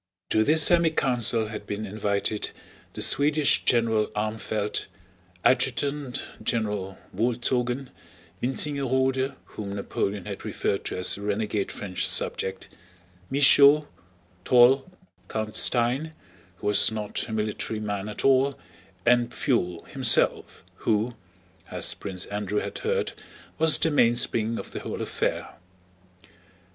To this semicouncil had been invited the Swedish General Armfeldt, Adjutant General Wolzogen, Wintzingerode (whom Napoleon had referred to as a renegade French subject), Michaud, Toll, Count Stein who was not a military man at all, and Pfuel himself, who, as Prince Andrew had heard, was the mainspring of the whole affair.